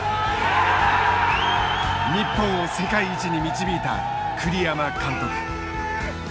日本を世界一に導いた栗山監督。